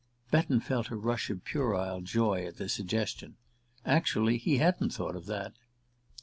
Betton felt a rush of puerile joy at the suggestion. Actually, he hadn't thought of that!